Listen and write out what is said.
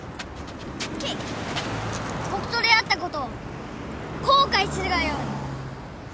僕と出会ったことを後悔するがよい！